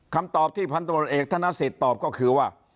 คำตอบที่พันตรวจเอกธนสิทธิ์ตอบก็คือว่า